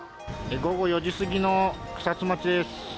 午後４時過ぎの草津町です。